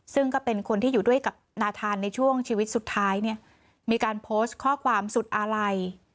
ซึ่งก็เป็นคนที่อยู่ด้วยกับนาธานในช่วงชีวิตสุดท้ายเนี่ยมีการโพสต์ข้อความสุดอาลัย